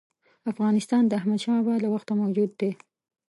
افغانستان د احمدشاه بابا له وخته موجود دی.